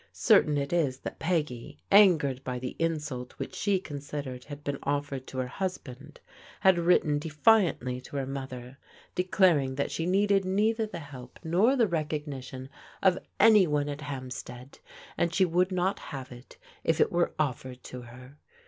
Certain it is that Peggy, angered by the insult which she consid ered had been offered to her husband, had written defi antly to her mother declaring that she needed neither the help nor the recognition of any one at Hampstead, and would not have it if it were oflfered to her.